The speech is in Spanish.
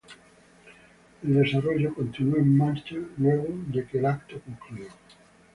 El desarrollo continuó en marcha luego de que el evento concluyó.